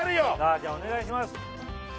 じゃあお願いします。